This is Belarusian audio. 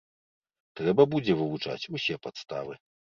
Трэба будзе вывучаць усе падставы.